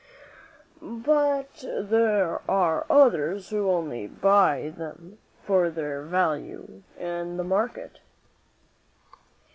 "But there are others who only buy them for their value in the market."